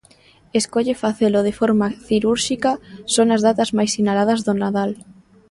Escolle facelo de forma cirúrxica, só nas datas máis sinaladas do Nadal.